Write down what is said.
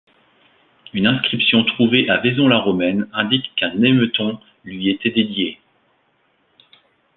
Une inscription trouvée à Vaison-la-Romaine indique qu’un Nemeton lui était dédié.